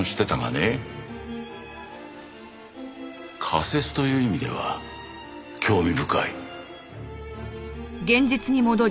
仮説という意味では興味深い。